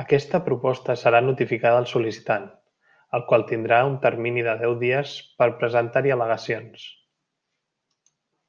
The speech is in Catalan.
Aquesta proposta serà notificada al sol·licitant, el qual tindrà un termini de deu dies per a presentar-hi al·legacions.